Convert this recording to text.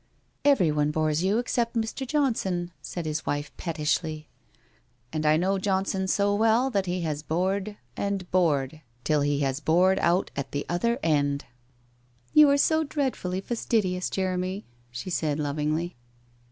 ' Everyone bores you except Mr. Johnson/ said his wife pettishly. 'And I know Johnson so well that he has bored and bored till he has bored out at the other end.' ' You are so dreadfully fastidious, Jeremy,' she said, lovingly.